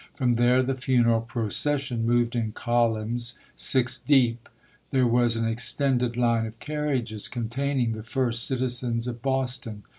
From there the funeral procession moved in columns six deep. There was an extended line of carriages containing the first citizens of Boston.